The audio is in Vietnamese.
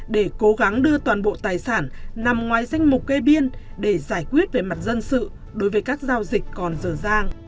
để cố gắng đưa toàn bộ tài sản nằm ngoài danh mục kê biên để giải quyết về mặt dân sự đối với các giao dịch còn dở dang